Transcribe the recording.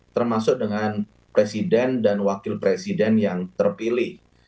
termasuk dengan presiden dan wakil presiden yang terpilih